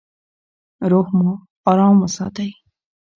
روح مو ارام وساتئ.